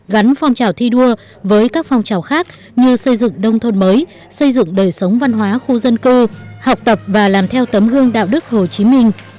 gắn phong trào thi đua với các phong trào khác như xây dựng nông thôn mới xây dựng đời sống văn hóa khu dân cư học tập và làm theo tấm gương đạo đức hồ chí minh